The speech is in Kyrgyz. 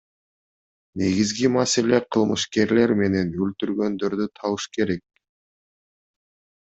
Негизги маселе кылмышкерлер менен өлтүргөндөрдү табыш керек.